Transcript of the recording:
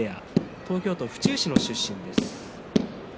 東京都府中市の出身です。